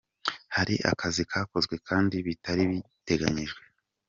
Hari akazi kakozwe kandi bitari biteganyijwe.